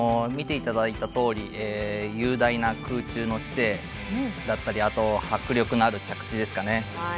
見ていただいたとおり雄大な空中の姿勢だったりあと迫力のある着地ですかね。